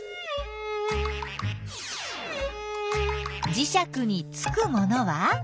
じしゃくにつくものは？